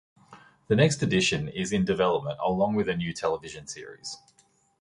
The next edition is in development along with a new television series.